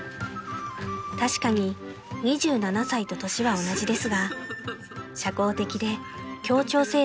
［確かに２７歳と年は同じですが社交的で協調性